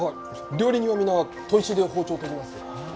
料理人は皆砥石で包丁を研ぎますよ。